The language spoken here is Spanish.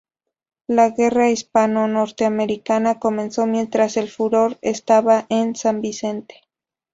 La Guerra Hispano-Norteamericana comenzó mientras el "Furor" estaba en San Vicente.